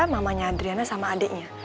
mamanya adriana sama adeknya